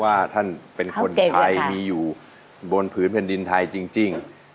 ว่าท่านเป็นคนไทยมีอยู่บนผืนแผ่นดินไทยจริง